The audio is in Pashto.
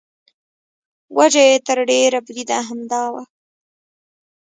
وجه یې تر ډېره بریده همدا وه.